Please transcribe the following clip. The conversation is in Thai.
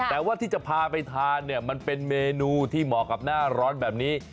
แต่ว่าที่จะพาไปทานเนี่ยมันเป็นเมนูที่เหมาะกับหน้าร้อนแบบนี้